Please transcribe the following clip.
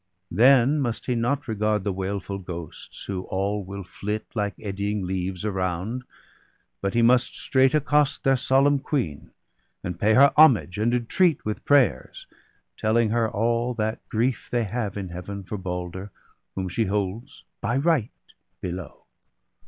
Then must he not regard the wailful ghosts Who all will flit, like eddying leaves, around; But he must straight accost their solemn queen. And pay her homage, and entreat with prayers, Telling her all that grief they have in Heaven For Balder, whom she holds by right below.